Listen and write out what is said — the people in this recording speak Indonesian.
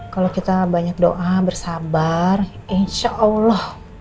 kalau kita banyak doa bersabar insya allah